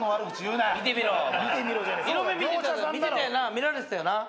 見られてたよな？